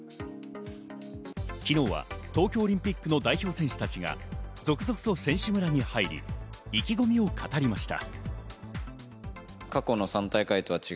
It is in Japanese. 昨日は東京リンピックの代表選手たちが続々と選手村に入り、意気込みを語りました。